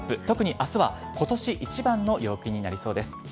特に明日は今年一番の陽気になりそうです。